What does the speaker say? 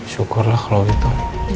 syukurlah kalau gitu